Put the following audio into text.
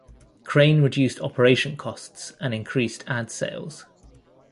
Crane reduced operation costs and increased ad sales.